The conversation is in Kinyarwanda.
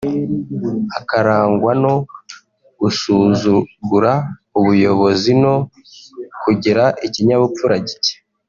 akarangwa no gusuzugura ubuyobokzi no kugira ikinyabupfura gike